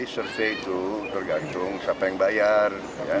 survei itu tergantung siapa yang bayar